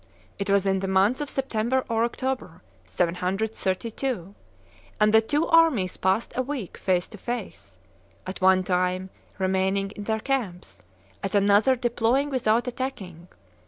It was in the month of September or October, 732: and the two armies passed a week face to face, at one time remaining in their camps, at another deploying without attacking.